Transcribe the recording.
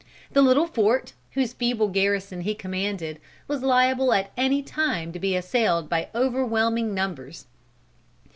The little fort, whose feeble garrison he commanded, was liable at any time to be assailed by overwhelming numbers.